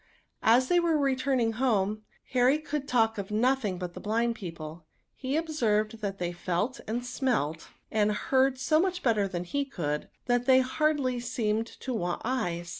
As they were returning home, Harry could talk of nothing but the blind people ; he ob served that they felt, and smelt, and heard so much better than he could, that they hardly seemed to want eyes.